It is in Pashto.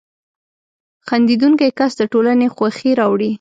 • خندېدونکی کس د ټولنې خوښي راوړي.